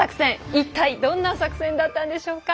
一体どんな作戦だったんでしょうか？